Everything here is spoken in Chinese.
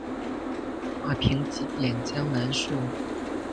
画屏几点江南树。